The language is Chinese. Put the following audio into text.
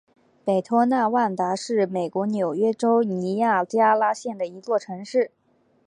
北托纳万达是美国纽约州尼亚加拉县的一座城市。